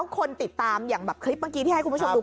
คนติดตามอย่างคลิปที่ให้คุณผู้ชมดู